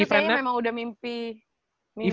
itu kayaknya memang udah mimpi mimpi aglet kali ya